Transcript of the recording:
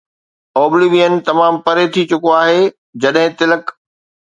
Oblivion تمام پري ٿي چڪو آهي، جڏهن تلڪ